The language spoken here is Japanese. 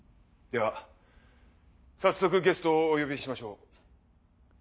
では早速ゲストをお呼びしましょう。